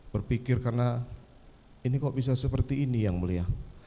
berpikir karena ini kok bisa seperti ini yang mulia